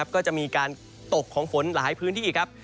ก็จะมีการตกของฝนหลายพื้นที่ครับ